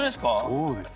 そうです。